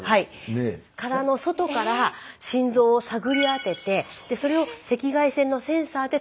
殻の外から心臓を探り当ててそれを赤外線のセンサーでとらえると。